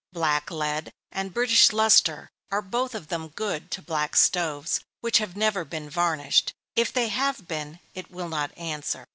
Black lead and British Lustre are both of them good to black stoves which have never been varnished if they have been, it will not answer.